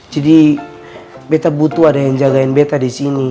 jadi betta butuh ada yang jagain betta di sini